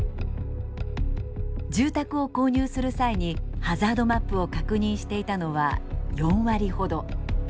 住宅を購入する際にハザードマップを確認していたのは４割ほど。